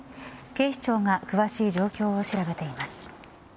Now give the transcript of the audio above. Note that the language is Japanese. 警視庁が詳しい状況を調べています。